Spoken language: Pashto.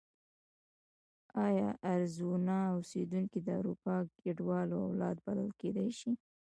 ایا اریزونا اوسېدونکي د اروپایي کډوالو اولاد بلل کېدای شي؟